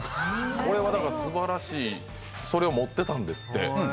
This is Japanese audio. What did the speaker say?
これはすばらしい、それを持ってたんですって。